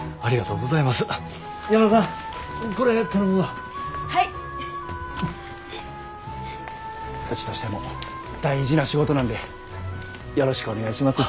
うちとしても大事な仕事なんでよろしくお願いします。